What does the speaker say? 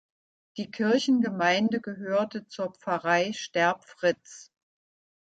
Die Kirchengemeinde gehörte zur Pfarrei Sterbfritz.